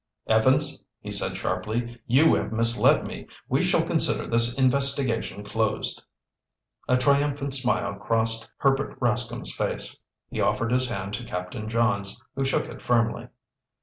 "Evans," he said sharply, "you have misled me. We shall consider this investigation closed." A triumphant smile crossed Herbert Rascomb's face. He offered his hand to Captain Johns who shook it firmly.